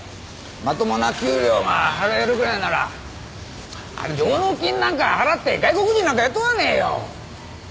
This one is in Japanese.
まともな給料が払えるぐらいなら上納金なんか払って外国人なんか雇わねえよ！